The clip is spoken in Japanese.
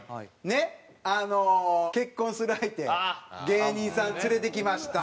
あの結婚する相手芸人さん連れてきました。